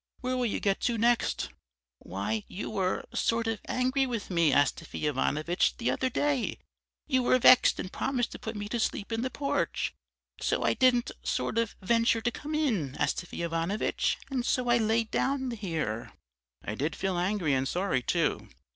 Where will you get to next!' "'Why, you were sort of angry with me, Astafy Ivanovitch, the other day, you were vexed and promised to put me to sleep in the porch, so I didn't sort of venture to come in, Astafy Ivanovitch, and so I lay down here....' "I did feel angry and sorry too.